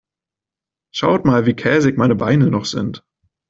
Schaut mal, wie käsig meine Beine noch sind.